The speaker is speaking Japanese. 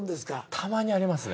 たまにありますね。